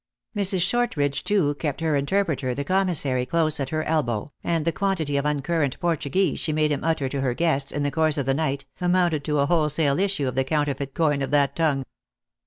Mrs. Shortridge, too, kept her interpreter, the com missary, close at her elbow, and the quantity of un current Portuguese she made him utter to her guests, in the course of the night, amounted to a wholesale issue of the counterfeit coin of that tongue.